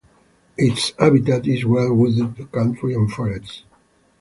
Its habitat is well-wooded country and forest.